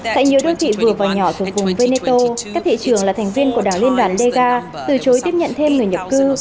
tại nhiều đơn vị vừa và nhỏ thuộc vùng veneto các thị trường là thành viên của đảng liên đoàn lega từ chối tiếp nhận thêm người nhập cư